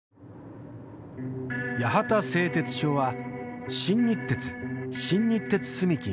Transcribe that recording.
八幡製鉄所は新日鉄新日鉄住金